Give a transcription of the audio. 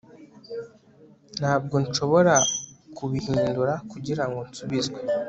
Ntabwo nshobora kubihindura kugirango nsubizwe